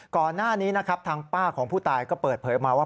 ก่อนหน้านี้นะครับทางป้าของผู้ตายก็เปิดเผยมาว่า